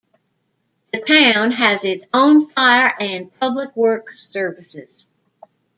The town has its own fire and public works services.